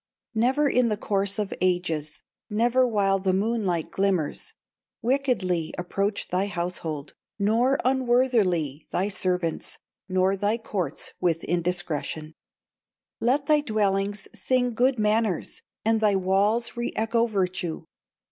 "Never in the course of ages, Never while the moonlight glimmers, Wickedly approach thy household, Nor unworthily, thy servants, Nor thy courts with indiscretion; Let thy dwellings sing good manners, And thy walls re echo virtue.